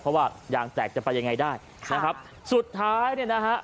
เพราะว่ายางแตกจะไปยังไงได้นะครับสุดท้ายเนี่ยนะฮะ